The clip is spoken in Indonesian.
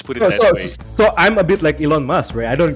tapi dia juga menambahkan saya tidak mendapatkannya sejauh ini